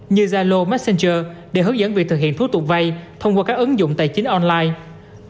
như zalo messenger để hướng dẫn việc thực hiện thủ tục vay thông qua các ứng dụng tài chính online